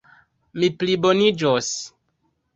Mi pliboniĝos.